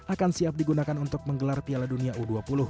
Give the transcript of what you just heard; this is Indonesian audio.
akan siap digunakan untuk menggelar piala dunia u dua puluh